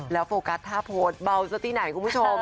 โฟกัสท่าโพสต์เบาซะที่ไหนคุณผู้ชม